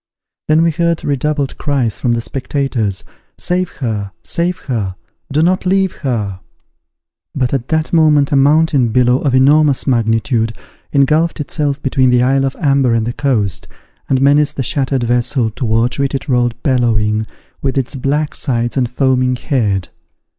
Then were heard redoubled cries from the spectators, "Save her! save her! do not leave her!" But at that moment a mountain billow, of enormous magnitude, ingulfed itself between the isle of Amber and the coast, and menaced the shattered vessel, towards which it rolled bellowing, with its black sides and foaming head.